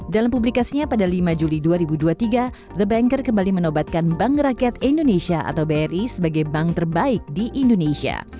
dalam publikasinya pada lima juli dua ribu dua puluh tiga the banker kembali menobatkan bank rakyat indonesia atau bri sebagai bank terbaik di indonesia